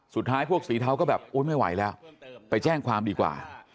พวกสีเทาก็แบบโอ๊ยไม่ไหวแล้วไปแจ้งความดีกว่า